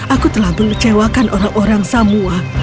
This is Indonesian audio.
aku telah berlecewakan orang orang shamua